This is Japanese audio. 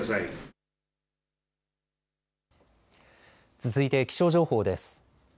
続いて気象情報です。